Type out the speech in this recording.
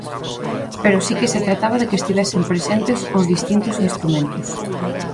Pero si que se trataba de que estivesen presentes os distintos instrumentos.